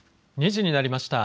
２時になりました。